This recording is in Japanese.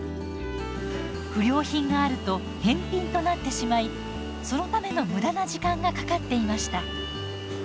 不良品があると返品となってしまいそのための無駄な時間がかかっていました。